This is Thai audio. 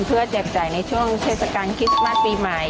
เพื่อแจกจ่ายในช่วงเทศกาลคริสต์มัสปีใหม่